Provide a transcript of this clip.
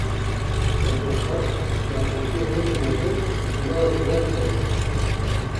Helbestvan, nakokiya herî mezin, di nava civakê de dibîne